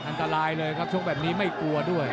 อันตรายเลยครับชกแบบนี้ไม่กลัวด้วย